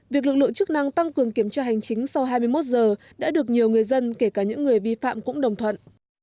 việc lực lượng chức năng tăng cường kiểm tra hành chính sau hai mươi một giờ đã được nhiều người dân kể cả những người vi phạm cũng đồng thuận